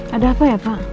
ada apa ya pak